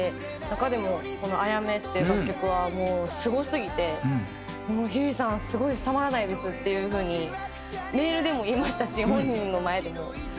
中でもこの『アヤメ』っていう楽曲はもうすごすぎて「もうひゅーいさんすごいですたまらないです」っていう風にメールでも言いましたし本人の前でも。